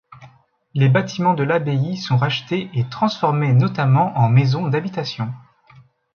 Les bâtiments de l'abbaye sont rachetés et transformés notamment en maison d'habitation.